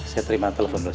saya terima telepon dulu